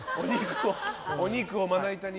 お肉をまな板に。